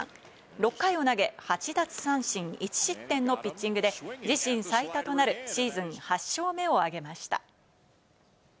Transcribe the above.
６回を投げ、８奪三振１失点のピッチングで自身最多となるシーズン８勝目をあげました。